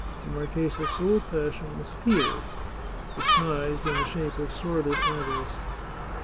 The marchesa's sole passion was fear, disguised in the shape of sordid avarice.